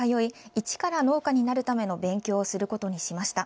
一から農家になるための勉強をすることにしました。